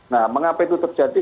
nah mengapa itu terjadi